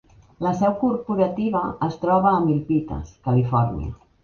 La seu corporativa es troba a Milpitas, Califòrnia.